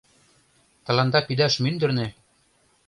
Тыланда пидаш мӱндырнӧ!